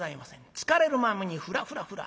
突かれるままにフラフラフラ